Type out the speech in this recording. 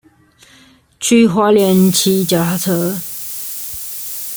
去花蓮騎腳踏車